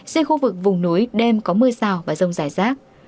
dưới khu vực vùng núi đêm có mưa rào và rông giải rác